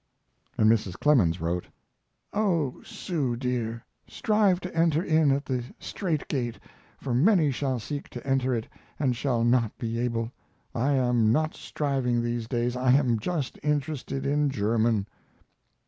And Mrs. Clemens wrote: Oh, Sue dear, strive to enter in at the straight gate, for many shall seek to enter it and shall not be able. I am not striving these days. I am just interested in German.